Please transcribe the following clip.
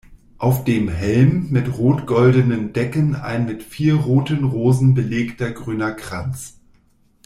Auf dem Helm mit rot-goldenen Decken ein mit vier roten Rosen belegter grüner Kranz.